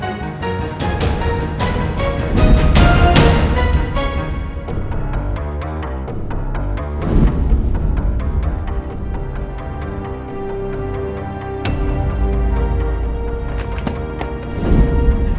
bukan punya andin